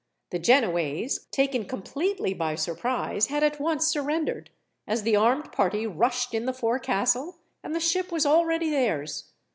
The Genoese, taken completely by surprise, had at once surrendered, as the armed party rushed in the forecastle, and the ship was already theirs.